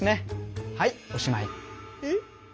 えっ？